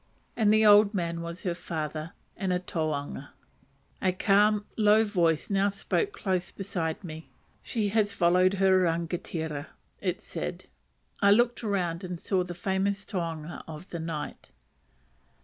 And the old man was her father, and a tohunga. A calm low voice now spoke close beside me, "She has followed her rangatira," it said. I looked round, and saw the famous tohunga of the night.